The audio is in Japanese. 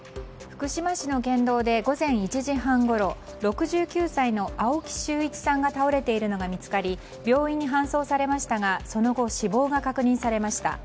福島市の県道で午前１時半ごろ６９歳の青木修一さんが倒れているのが見つかり病院に搬送されましたがその後、死亡が確認されました。